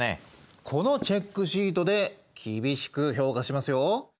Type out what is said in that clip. このチェックシートで厳しく評価しますよ。